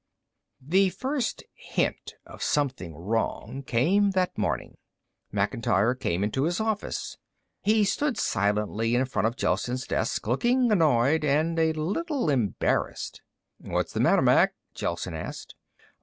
The first hint of something wrong came that morning. Macintyre came into his office. He stood silently in front of Gelsen's desk, looking annoyed and a little embarrassed. "What's the matter, Mac?" Gelsen asked.